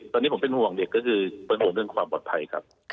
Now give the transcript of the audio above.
ตอนนี้ผมเป็นห่วงเด็กก็คือโปรดโบนด้วยความปลอดภัยครับ